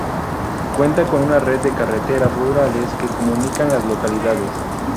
Cuenta con una red de carreteras rurales que comunican las localidades.